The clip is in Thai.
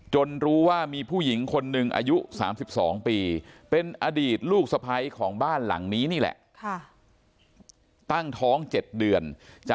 จนรู้ว่ามีผู้หญิงอายุ๓๒ปีเป็นนาทีลูกสภัยของบ้านหลังนี้นี่แหละ